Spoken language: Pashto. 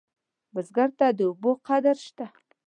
بزګر ته د اوبو قدر شته